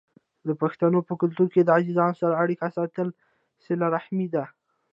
د پښتنو په کلتور کې د عزیزانو سره اړیکه ساتل صله رحمي ده.